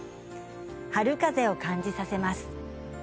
春風を感じさせます。